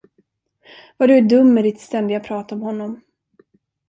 Vad du är dum med ditt ständiga prat om honom.